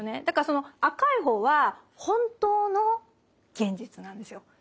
だからその赤い方は本当の現実なんですよ。